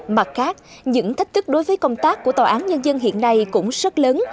mặt khác những thách thức đối với công tác của tòa án nhân dân hiện nay cũng rất lớn